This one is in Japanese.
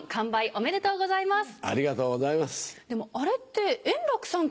おめでとうございます。